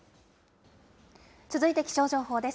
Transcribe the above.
続いて気象情報です。